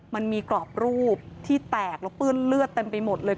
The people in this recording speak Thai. มันมีกรอบรูปที่แตกแล้วเปื้อนเลือดเต็มไปหมดเลย